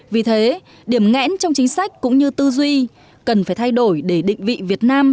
vì thế điểm ngẽn trong chính sách cũng như tư duy cần phải thay đổi để định vị việt nam